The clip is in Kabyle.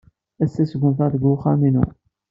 Ass-a, sgunfaɣ deg uxxam-inu.